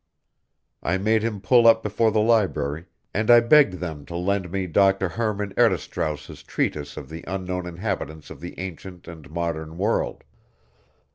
I made him pull up before the library, and I begged them to lend me Dr. Herrmann Herestauss's treatise on the unknown inhabitants of the ancient and modern world.